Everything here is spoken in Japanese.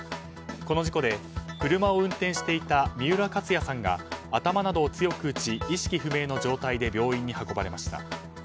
この事故で車を運転していた三浦克也さんが頭などを強く打ち意識不明の状態で病院に運ばれました。